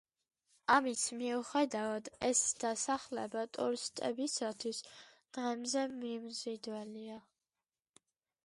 ამის მიუხედავად, ეს დასახლება ტურისტებისათვის დღემდე მიმზიდველია.